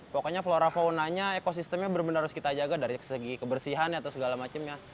pokoknya flora faunanya ekosistemnya benar benar harus kita jaga dari segi kebersihan atau segala macemnya